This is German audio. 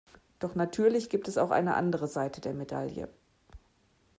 Doch natürlich gibt es auch eine andere Seite der Medaille.